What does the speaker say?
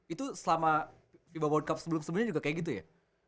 itu selama fiba world cup sebelum sebelumnya juga kayak gitu ya